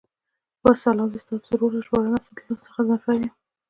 والسلام، زه ستاسو ورور او ژباړن اسدالله غضنفر یم.